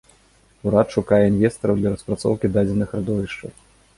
Урад шукае інвестараў для распрацоўкі дадзеных радовішчаў.